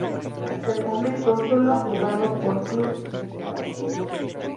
Hasta el momento solo ha jugado por clubes de su país.